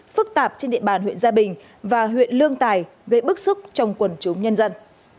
phức tạp trên địa bàn huyện gia bình và huyện lương tài gây bức xúc trong quần chúng nhân dân